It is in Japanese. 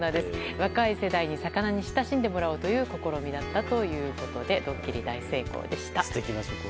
若い世代に魚に親しんでもらおうという試みだったということでドッキリ大成功でした。